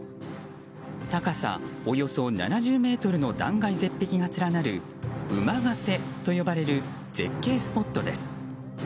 高さおよそ７０ｍの断崖絶壁が連なる馬ヶ背と呼ばれる絶景スポットです。